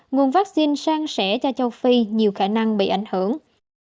nguồn vaccine sang sẻ cho châu phi nhiều khả năng bị ảnh hưởng